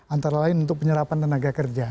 antara lain untuk penyerapan tenaga kerja